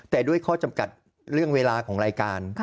แต่ด้วยข้อจำกัดเรื่องเวลาของรายการ